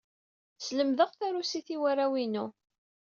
Slemdeɣ tarusit i warraw-inu.